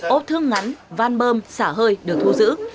ốp thương ngắn van bơm xả hơi được thu giữ